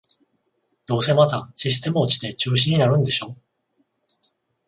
どうせまたシステム落ちて中止になるんでしょ